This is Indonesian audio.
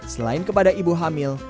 selain kepada ibu hamil